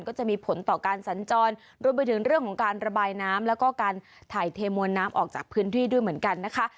ก็จะมีผลต่อการสัญจรรวมไปถึงเรื่องของการระบายน้ำแล้วก็การถ่ายเทมวลน้ำออกจากพื้นที่ด้วยเหมือนกันนะคะ